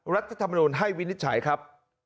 รัฐธรรมนุนให้วินิจฉัยครับ